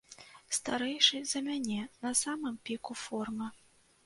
Старэйшы за мяне, на самым піку формы.